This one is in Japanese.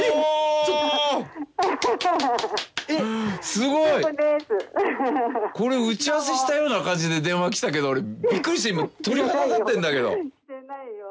すごい！これ、打ち合わせしたような感じで電話来たけどびっくりして鳥肌たってるんだけど。